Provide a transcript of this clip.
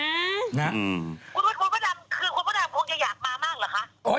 คุณพระดำคือคุณพระดำคงจะอยากมามากเหรอคะ